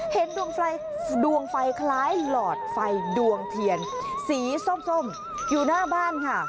เห็นดวงไฟคล้ายหลอดไฟดวงเทียนสีส้มอยู่หน้าบ้านค่ะ